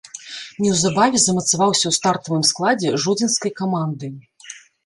Неўзабаве замацаваўся ў стартавым складзе жодзінскай каманды.